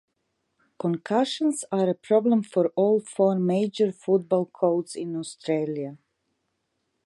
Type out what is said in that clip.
Concussions are a problem for all four major football codes in Australia.